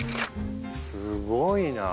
すごいな。